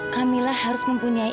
kamila harus mempunyai